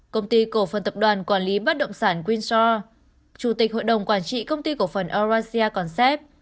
công ty cổ phần tập đoàn quản lý bắt động sản windsor chủ tịch hội đồng quản trị công ty cổ phần eurasia concept